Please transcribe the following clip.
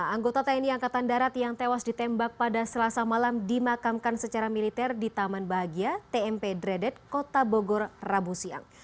anggota tni angkatan darat yang tewas ditembak pada selasa malam dimakamkan secara militer di taman bahagia tmp dredet kota bogor rabu siang